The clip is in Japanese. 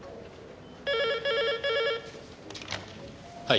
はい。